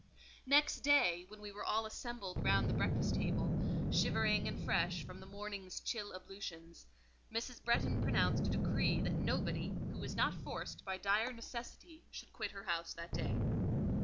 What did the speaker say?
Next day, when we were all assembled round the breakfast table, shivering and fresh from the morning's chill ablutions, Mrs. Bretton pronounced a decree that nobody, who was not forced by dire necessity, should quit her house that day.